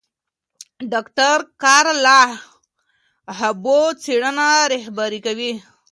ډاکټره کارلا هومبو څېړنه رهبري کوي.